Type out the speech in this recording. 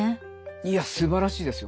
いやすばらしいですよ